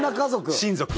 親族。